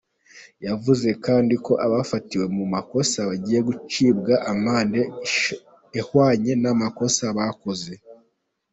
Yavuze kandi ko abafatiwe mu makosa bagiye gucibwa amande ahwanye n’amakosa bakoze.